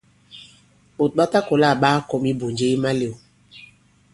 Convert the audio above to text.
Ɓòt ɓa ta kɔ̀la ɓa kakɔm ibùnje i malew.